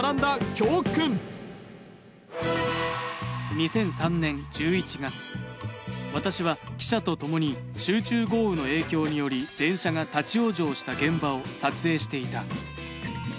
２００３年１１月、私は記者とともに集中豪雨の影響により電車が立ち往生した現場を撮影していた。